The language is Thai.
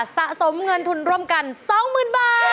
สะสมเงินทุนร่วมกัน๒๐๐๐บาท